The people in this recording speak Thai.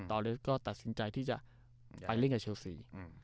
อเลสก็ตัดสินใจที่จะไปเล่นกับเชลซี